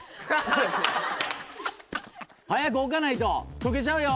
早く置かないと解けちゃうよ。